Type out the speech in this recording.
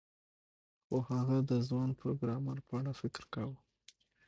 خو هغه د ځوان پروګرامر په اړه فکر کاوه